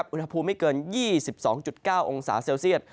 อุณหภูมิไม่เกิน๒๒๙องศาเซลเซียต